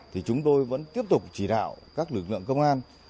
thì chúng tôi vẫn tiếp tục chỉ đạo các lực lượng công an